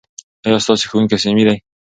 ایا ستا ښوونکی صمیمي دی؟